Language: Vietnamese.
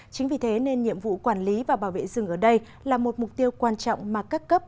chính vì thế nên nhiệm vụ quản lý và bảo vệ rừng ở đây là một mục tiêu quan trọng mà các cấp